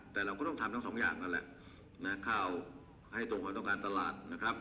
แต่เราก็ต้องทำทั้งสองอย่างนั่นแหละนะข้าวให้ตรงความต้องการตลาดนะครับ